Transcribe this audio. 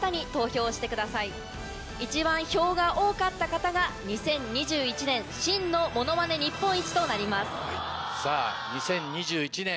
一番票が多かった方が２０２１年真のものまね日本一となります。